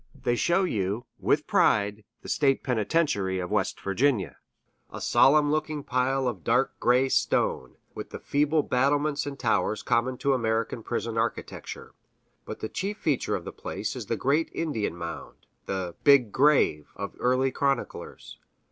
They show you with pride the State Penitentiary of West Virginia, a solemn looking pile of dark gray stone, with the feeble battlements and towers common to American prison architecture. But the chief feature of the place is the great Indian mound the "Big Grave" of early chroniclers.